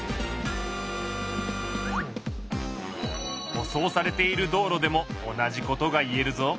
舗装されている道路でも同じことが言えるぞ。